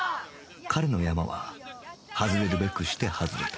彼のヤマは外れるべくして外れた